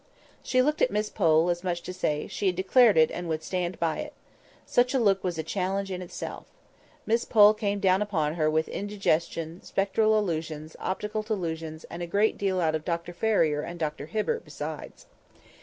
She looked at Miss Pole, as much as to say, she had declared it, and would stand by it. Such a look was a challenge in itself. Miss Pole came down upon her with indigestion, spectral illusions, optical delusions, and a great deal out of Dr Ferrier and Dr Hibbert besides.